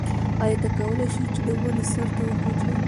ایا ته کولای شې چې د ونې سر ته وخیژې؟